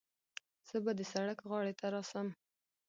زه به د سړک غاړې ته راسم.